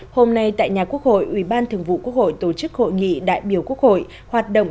hôm nay tại nhà quốc hội ủy ban thường vụ quốc hội tổ chức hội nghị đại biểu quốc hội hoạt động